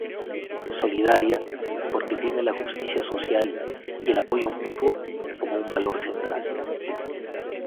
Solidaria, porque tiene la justicia social y el apoyo mutuo como un valor central.